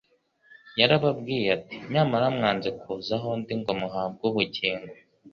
Yarababwiye ati: "Nyamara mwanze kuza aho ndi ngo muhabwe ubugingo"